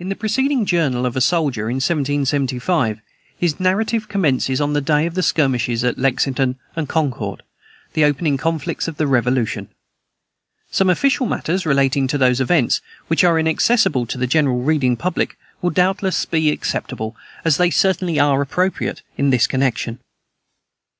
In the preceding Journal of a Soldier, in 1775, his narrative commences on the day of the skirmishes at Lexington and Concord, the opening conflicts of the Revolution. Some official matters relating to those events, which are inaccessible to the general reading public, will doubtless be acceptable, as they certainly are appropriate, in this connection.